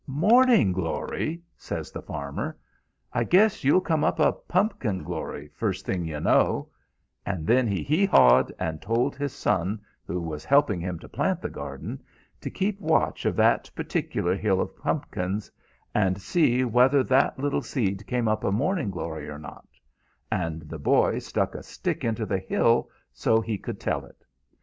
"'Morning glory!' says the farmer. 'I guess you'll come up a pumpkin glory, first thing you know,' and then he haw hawed, and told his son, who was helping him to plant the garden, to keep watch of that particular hill of pumpkins, and see whether that little seed came up a morning glory or not; and the boy stuck a stick into the hill so he could tell it.